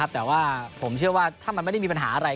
แต่ว่าผมเชื่อว่าถ้ามันไม่ได้มีปัญหาอะไร